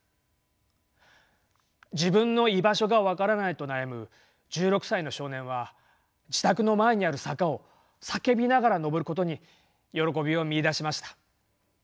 自分の居場所が分からないと悩む１６歳の少年は自宅の前にある坂を叫びながら上ることに喜びを見いだしました。